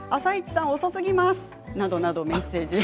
「あさイチ」さん遅すぎますなどなどメッセージを。